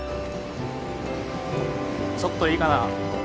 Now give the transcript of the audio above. ちょっといいかな？